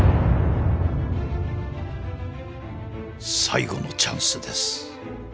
最後のチャンスです。